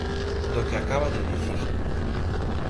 Do que acaba de dicir.